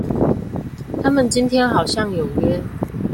他們今天好像有約